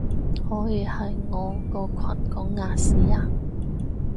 可以喺我個群講亞視啊